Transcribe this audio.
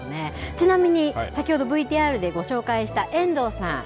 ちなみに先ほどＶＴＲでご紹介した遠藤さん。